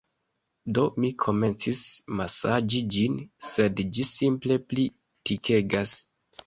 Do, mi komencis masaĝi ĝin sed ĝi simple pli tikegas